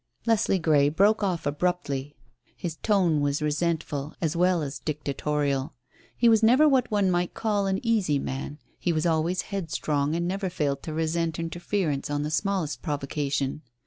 Leslie Grey broke off abruptly. His tone was resentful, as well as dictatorial. He was never what one might call an easy man. He was always headstrong, and never failed to resent interference on the smallest provocation.